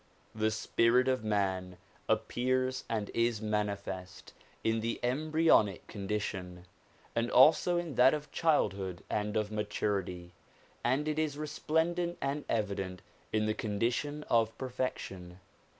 The spirit of man appears and is manifest in the embryonic condition, and also in that of childhood and of maturity, and it is resplendent and evident in the condition of perfection.